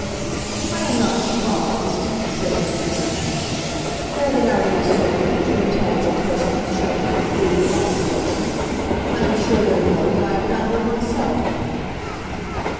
"I am not surprised," said Mr. Brand, "that in our little circle two intelligent persons should have found food for observation. I am sure that, of late, I have found it myself!"